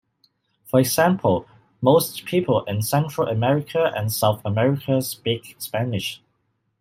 For example, most people in Central America and South America speak Spanish.